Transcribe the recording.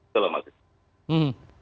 itu lah maksud saya